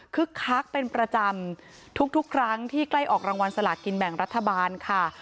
คักเป็นประจำทุกครั้งที่ใกล้ออกรางวัลสลากินแบ่งรัฐบาลค่ะ